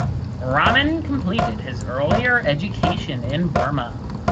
Raman completed his earlier education in Burma.